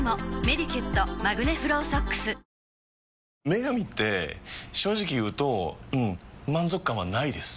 「麺神」って正直言うとうん満足感はないです。